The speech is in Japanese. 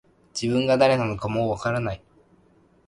自分が誰なのかもう分からない